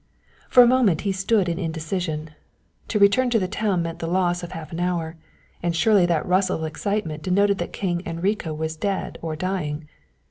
For a moment he stood in indecision. To return to the town meant the loss of half an hour and surely that rustle of excitement denoted that King Enrico was dead or dying.